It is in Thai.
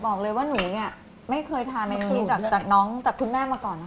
บอกเลยว่าหนูไงไม่เคยทานเมนูนี้ของคุณแม่มาก่อนนะคะ